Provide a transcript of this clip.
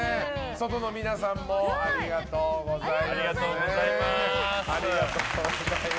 外の皆さんもありがとうございます。